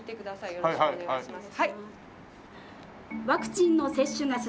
よろしくお願いします。